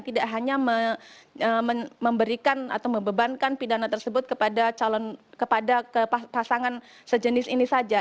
tidak hanya memberikan atau membebankan pidana tersebut kepada pasangan sejenis ini saja